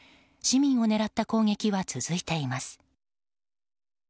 市民を狙った攻撃は続いています。